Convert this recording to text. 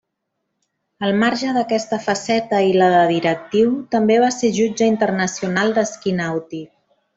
Al marge d’aquesta faceta i la de directiu, també va ser jutge internacional d’esquí nàutic.